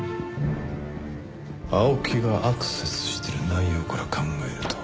青木がアクセスしてる内容から考えると。